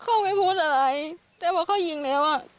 เขาไม่พูดอะไรแต่ว่าเขายิงแล้ว